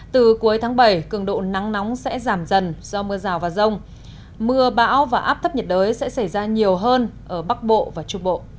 từ cuối tháng bảy cường độ nắng nóng sẽ giảm dần do mưa rào và rông mưa bão và áp thấp nhiệt đới sẽ xảy ra nhiều hơn ở bắc bộ và trung bộ